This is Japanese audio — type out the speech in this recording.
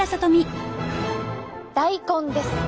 大根です！